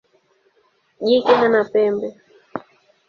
Jike hana pembe.